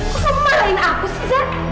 kok malahin aku sih zek